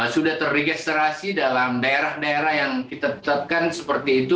sudah terregistrasi dalam daerah daerah yang kita tetap